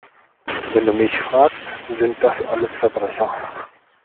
Wenn du mich fragst, sind das alles Verbrecher!